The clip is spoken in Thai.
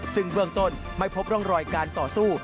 ซึ่งเบื้องต้นไม่พบร่องรอยการต่อสู้